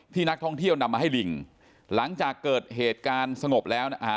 นักท่องเที่ยวนำมาให้ลิงหลังจากเกิดเหตุการณ์สงบแล้วนะฮะ